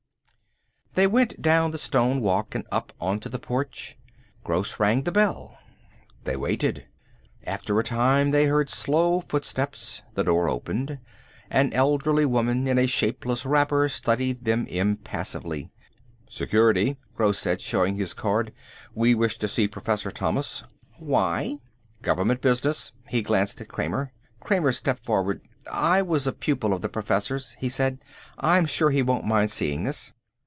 They went down the stone walk and up onto the porch. Gross rang the bell. They waited. After a time they heard slow footsteps. The door opened. An elderly woman in a shapeless wrapper studied them impassively. "Security," Gross said, showing his card. "We wish to see Professor Thomas." "Why?" "Government business." He glanced at Kramer. Kramer stepped forward. "I was a pupil of the Professor's," he said. "I'm sure he won't mind seeing us."